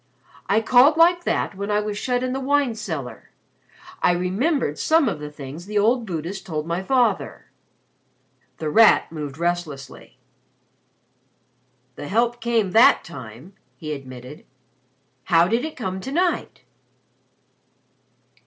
I called like that when I was shut in the wine cellar. I remembered some of the things the old Buddhist told my father." The Rat moved restlessly. "The help came that time," he admitted. "How did it come to night?"